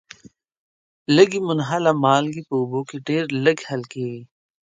لږي منحله مالګې په اوبو کې ډیر لږ حل کیږي.